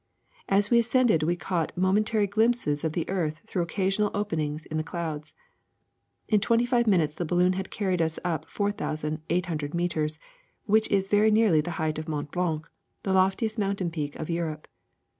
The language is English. As we ascended we caught momen tary glimpses of the earth through occasional open ings in the clouds. '* 'In twenty five minutes the balloon had carried us up four thousand, eight hundred meters, which is very nearly the height of Mont Blanc, the loftiest mountain peak of Europe.